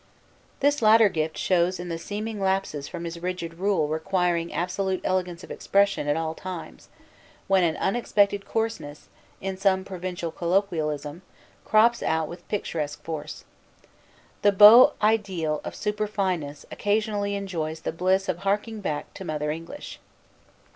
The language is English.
This latter gift shows in the seeming lapses from his rigid rule requiring absolute elegance of expression at all times, when an unexpected coarseness, in some provincial colloquialism, crops out with picturesque force. The beau ideal of superfineness occasionally enjoys the bliss of harking back to mother English.